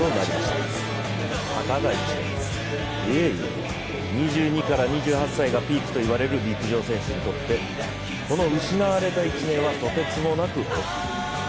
たかが１年、いえいえ２２から２８歳がピークといわれる陸上選手にとってこの失われた１年はとてつもなく大きい。